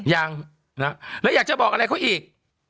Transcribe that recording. ยังแล้วอยากจะบอกอะไรเขาอีก